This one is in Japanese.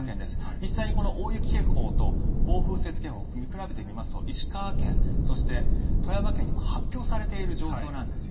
実際にこの大雪警報と暴風雪警報を見比べてみますと石川県、そして富山県にも発表されている状況なんです。